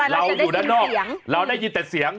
อยู่ด้านนอกเราได้ยินแต่เสียง